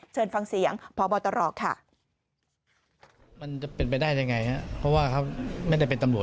เชิญฟังเสียงพบตรค่ะ